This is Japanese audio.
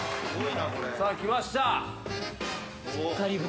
さあきました！